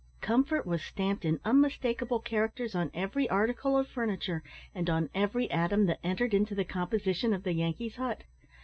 Comfort was stamped in unmistakeable characters on every article of furniture, and on every atom that entered into the composition of the Yankee's hut.